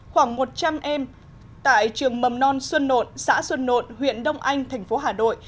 khoảng một trăm linh em tại trường mầm non xuân nộn xã xuân nộn huyện đông anh thành phố hà nội